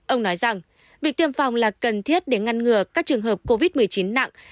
ông nói rằng việc tiêm phòng là cần thiết để ngăn ngừa các trường hợp covid một mươi chín nặng